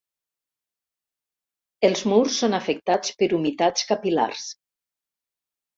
Els murs són afectats per humitats capil·lars.